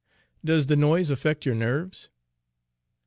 "Does the noise affect your nerves?"